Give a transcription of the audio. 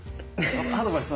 アドバイス？